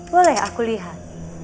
boleh aku lihat